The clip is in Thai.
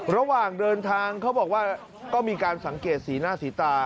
ระหว่างเดินทางเขาบอกว่าก็มีการสังเกตสีหน้าสีตา